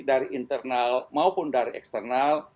dari internal maupun dari eksternal